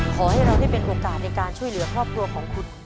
ขอให้เราได้เป็นโอกาสในการช่วยเหลือครอบครัวของคุณ